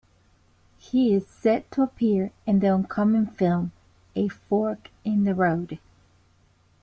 He is set to appear in the upcoming film "A Fork in the Road".